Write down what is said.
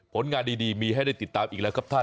ผลงานดีมีให้ได้ติดตามอีกแล้วครับท่าน